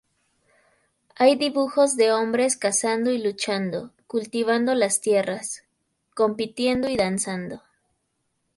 Hay dibujos de hombres cazando y luchando, cultivando la tierras, compitiendo y danzando.